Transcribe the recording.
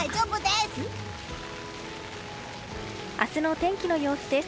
明日の天気の様子です。